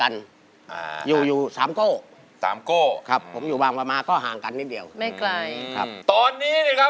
ร้องได้ให้ร้าน